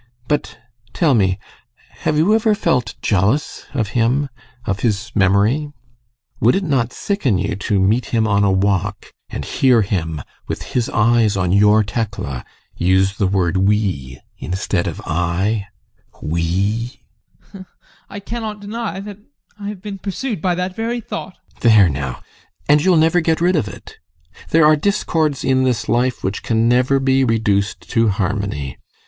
But tell me: have you ever felt jealous of him of his memory? Would it not sicken you to meet him on a walk and hear him, with his eyes on your Tekla, use the word "we" instead of "I"? We! ADOLPH. I cannot deny that I have been pursued by that very thought. GUSTAV. There now! And you'll never get rid of it. There are discords in this life which can never be reduced to harmony.